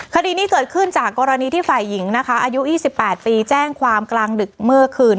คดีนี้เกิดขึ้นจากกรณีที่ฝ่ายหญิงนะคะอายุ๒๘ปีแจ้งความกลางดึกเมื่อคืน